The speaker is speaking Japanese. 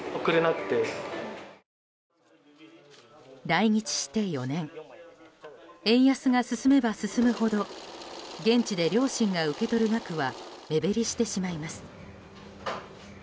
来日して４年円安が進めば進むほど現地で両親が受け取る額は目減りしてしまいます。